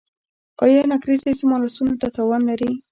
ایا نکریزې زما لاسونو ته تاوان لري؟